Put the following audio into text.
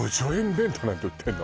弁当なんて売ってんの？